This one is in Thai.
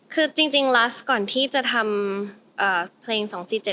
คือจริงรัสก่อนที่จะทำเพลง๒๔๗